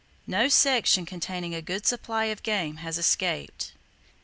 No section [Page 64] containing a good supply of game has escaped.